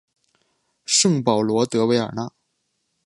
圣保罗德韦尔讷。